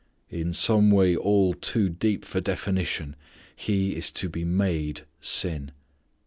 In some way all too deep for definition He is to be "made sin."